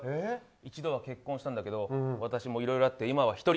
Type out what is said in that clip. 一度は結婚したんだけどいろいろあって今は１人。